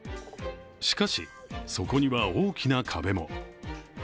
しかし、そこには大きな壁も。